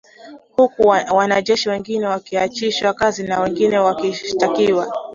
Huku wanajeshi wengine wakiachishwa kazi na wengine wakishtakiwa